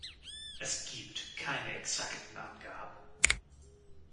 Es gibt keine exakten Angaben.